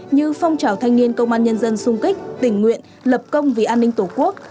như phong trào thanh niên công an nhân dân xung kích tình nguyện lập công vì an ninh tổ quốc